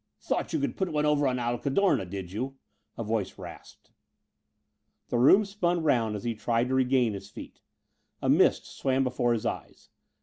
"Thought you could put one over on Al Cadorna, did you?" a voice rasped. The room spun round as he tried to regain his feet. A mist swam before his eyes.